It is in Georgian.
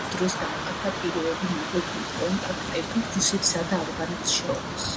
მის დროს დამყარდა პირველი მეგობრული კონტაქტები რუსეთსა და ავღანეთს შორის.